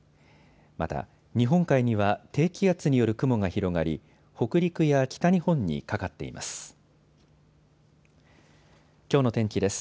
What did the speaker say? また日本海には低気圧による雲が広がり北陸や北日本にかかっています。